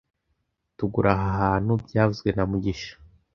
Tugura aha hantu byavuzwe na mugisha